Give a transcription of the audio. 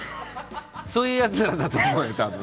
そういうやつらだと思うよ。